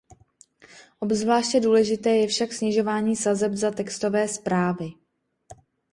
Obzvláště důležité je však snižování sazeb za textové zprávy.